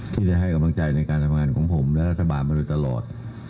ที่จะให้กำลังใจในการทำงานของผมและรัฐบาลมาโดยตลอด